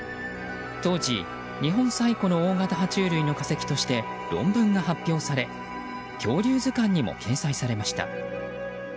当時、日本最古の大型爬虫類の化石として論文が発表され恐竜図鑑にも掲載されました。